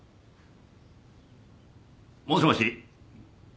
もしもし？